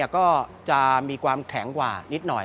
ก็จะมีความแข็งกว่านิดหน่อย